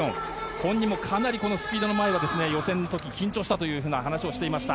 本人もかなりこのスピードの前は予選の時、緊張したという話をしていました。